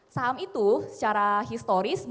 saham itu secara historis